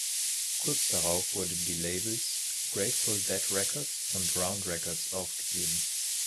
Kurz darauf wurde die Labels Grateful Dead Records und Round Records aufgegeben.